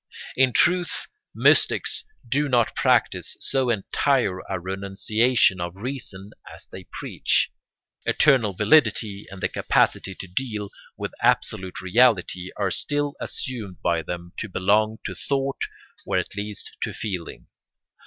In truth mystics do not practise so entire a renunciation of reason as they preach: eternal validity and the capacity to deal with absolute reality are still assumed by them to belong to thought or at least to feeling.